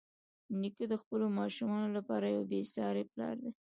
نیکه د خپلو ماشومانو لپاره یو بېساري پلار دی.